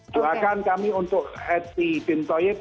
doakan kami untuk eti bin toyib